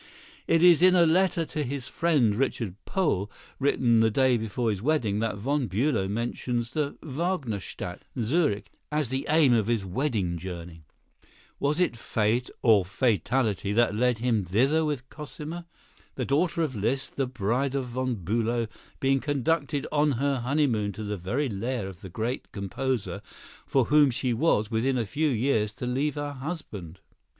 It is in a letter to his friend, Richard Pohl, written the day before his wedding, that Von Bülow mentions the "Wagnerstadt," Zurich, as the aim of his wedding journey. Was it Fate—or fatality—that led him thither with Cosima? The daughter of Liszt, the bride of Von Bülow, being conducted on her honeymoon to the very lair of the great composer for whom she was, within a few years, to leave her husband!